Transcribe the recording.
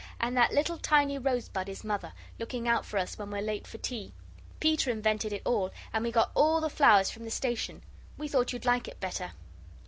"And that little tiny rose bud is Mother looking out for us when we're late for tea. Peter invented it all, and we got all the flowers from the station. We thought you'd like it better."